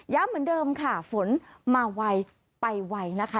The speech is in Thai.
เหมือนเดิมค่ะฝนมาไวไปไวนะคะ